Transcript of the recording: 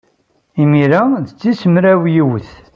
Imir-a d tis mraw yiwet.